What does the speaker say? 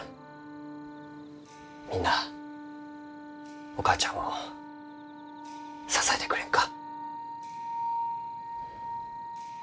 みんなあお母ちゃんを支えてくれんか？